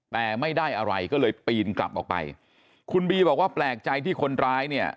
แต่ไม่ได้อะไรก็เลยปีนกลับออกไปคุณบีบอกว่าแปลกใจที่คนร้ายเนี่ย